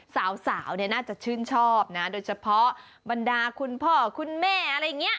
สาวเนี่ยน่าจะชื่นชอบนะโดยเฉพาะบรรดาคุณพ่อคุณแม่อะไรอย่างนี้